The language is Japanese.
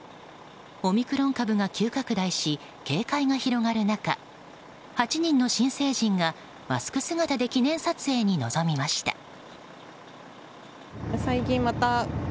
オミクロン株が急拡大し警戒が広がる中８人の新成人がマスク姿で記念撮影に臨みました。